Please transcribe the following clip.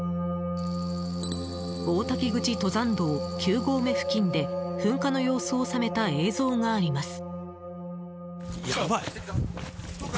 王滝口登山道９合目付近で噴火の様子を収めた映像があります。